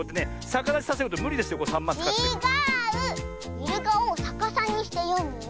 イルカをさかさにしてよむの。